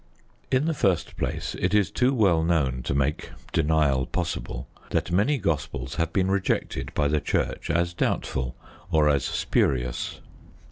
In the first place, it is too well known to make denial possible that many Gospels have been rejected by the Church as doubtful or as spurious.